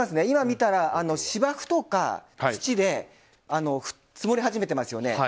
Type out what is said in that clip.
今見たら、芝生とか土で積もり始めていますよね。